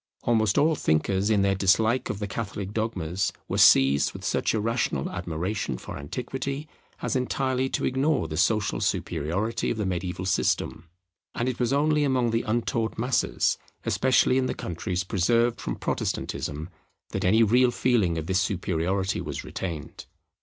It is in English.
Almost all thinkers in their dislike of the Catholic dogmas were seized with such irrational admiration for Antiquity as entirely to ignore the social superiority of the mediaeval system; and it was only among the untaught masses, especially in the countries preserved from Protestantism, that any real feeling of this superiority was retained.